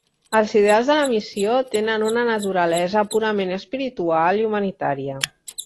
Els ideals de la Missió tenen una naturalesa purament espiritual i humanitària.